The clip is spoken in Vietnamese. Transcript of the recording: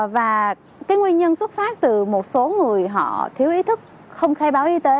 và cái nguyên nhân xuất phát từ một số người họ thiếu ý thức không khai báo y tế